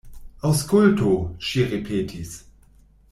Aŭskultu, ŝi ripetis.